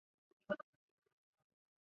碲化铋用作热电装置中。